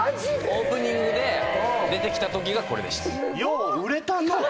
オープニングで出てきたときがこれでした。